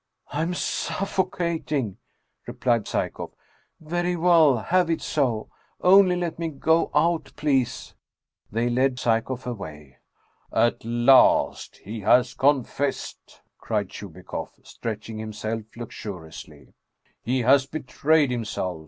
"I am suffocating!" replied Psyekoff. "Very well have it so. Only let me go out, please !" They led Psyekoff away. " At last ! He has confessed !" cried Chubikoff , stretch ing himself luxuriously. " He has betrayed himself